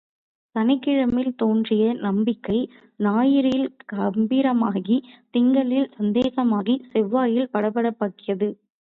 சனிக்கிழமையில் தோன்றிய நம்பிக்கை, ஞாயிறில் கம்பீரமாகி, திங்களில் சந்தேகமாகி, செவ்வாயில் படபடப்பாகியது.